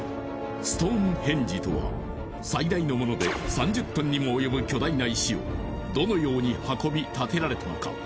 ストーンヘンジとは最大のもので３０ｔにもおよぶ巨大な石をどのように運び建てられたのか？